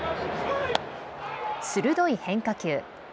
鋭い変化球。